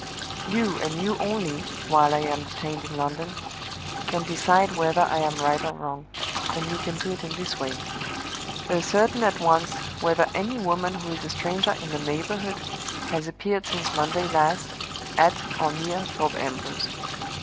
"You and you only (while I am detained in London) can decide whether I am right or wrong and you can do it in this way. Ascertain at once whether any woman who is a stranger in the neighborhood has appeared since Monday last at or near Thorpe Ambrose.